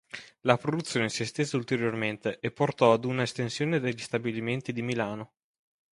La produzione si estese ulteriormente e portò ad una estensione degli stabilimenti di Milano.